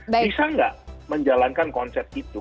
bisa nggak menjalankan konsep itu